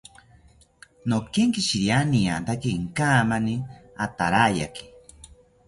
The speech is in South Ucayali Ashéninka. Nokenkishiria niataki inkamani atarayaki